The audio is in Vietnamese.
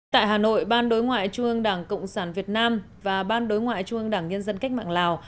tại hà nội ban đối ngoại trung ương đảng cộng sản việt nam và ban đối ngoại trung ương đảng nhân dân cách mạng lào